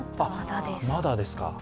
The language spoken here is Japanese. まだです。